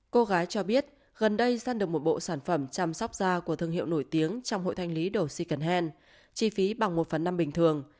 cô gái cho biết gần đây gian được một bộ sản phẩm chăm sóc da của thương hiệu nổi tiếng trong hội thanh lý đồ si cần hèn chi phí bằng một phần năm bình thường